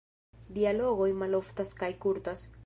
Dialogoj maloftas kaj kurtas.